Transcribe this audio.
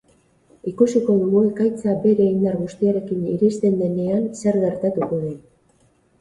Ikusiko dugu ekaitza bere indar guztiarekin iristen denean zer gertatuko den.